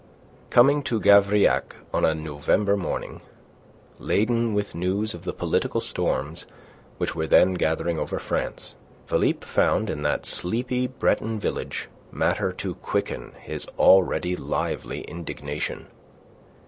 Coming to Gavrillac on a November morning, laden with news of the political storms which were then gathering over France, Philippe found in that sleepy Breton village matter to quicken his already lively indignation.